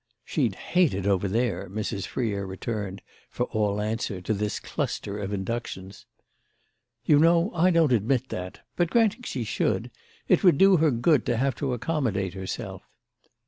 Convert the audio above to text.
"She'd hate it over there," Mrs. Freer returned for all answer to this cluster of inductions. "You know I don't admit that. But granting she should, it would do her good to have to accommodate herself."